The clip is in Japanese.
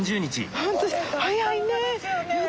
半年早いねえ。